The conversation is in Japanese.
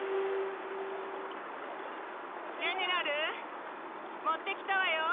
ジェネラル持ってきたわよ！